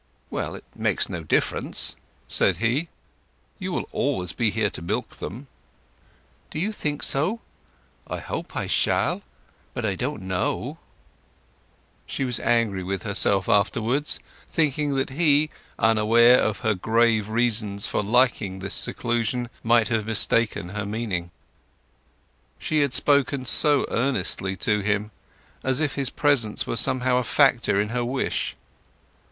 "Well, it makes no difference," said he. "You will always be here to milk them." "Do you think so? I hope I shall! But I don't know." She was angry with herself afterwards, thinking that he, unaware of her grave reasons for liking this seclusion, might have mistaken her meaning. She had spoken so earnestly to him, as if his presence were somehow a factor in her wish.